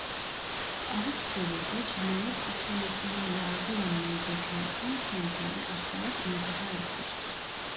Avusturya'da Cinayet suçlamasıyla yargılanmayı beklerken kendini asarak intihar etmiştir.